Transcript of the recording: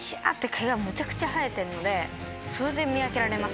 毛がむちゃくちゃ生えてるのでそれで見分けられます。